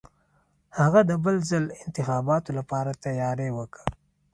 هغه د بل ځل انتخاباتو لپاره تیاری وکه.